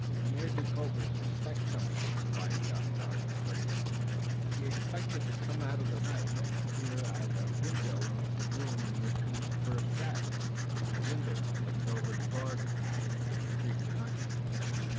"Mynheer Jacobus expects something," replied the Onondaga, gravely. "He expects it to come out of the night, and appear at a window of the room in which we first sat, the window that looks over the garden, and to the street behind us."